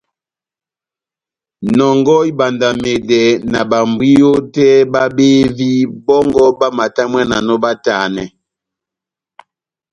Nɔngɔhɔ ibandamedɛ na bámbwiyo tɛ́h bábevi bɔ́ngɔ bamatamwananɔ batanɛ.